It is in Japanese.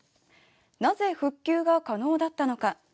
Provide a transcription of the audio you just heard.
なぜ復旧が可能だったのか？